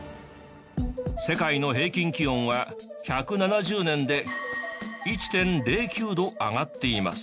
世界の平均気温は１７０年で１．０９度上がっています。